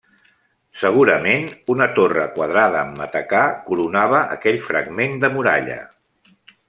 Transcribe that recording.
Segurament una torre quadrada amb matacà coronava aquell fragment de muralla.